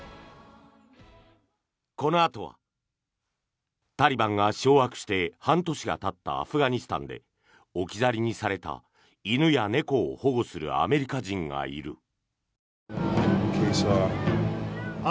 このあとはタリバンが掌握して半年がたったアフガニスタンで置き去りにされた犬や猫を保護するアメリカ人がいる。